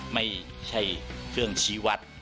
ไม่ใช่เครื่องชี้วัด